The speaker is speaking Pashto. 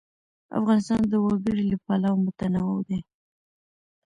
افغانستان د وګړي له پلوه متنوع دی.